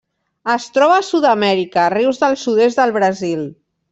Es troba a Sud-amèrica: rius del sud-est del Brasil.